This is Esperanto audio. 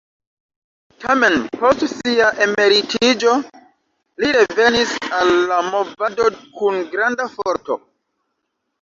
Tamen, post sia emeritiĝo li revenis al la movado kun granda forto.